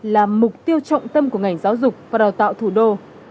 là mục tiêu trọng tâm của ngành giáo dục và đào tạo thủ đô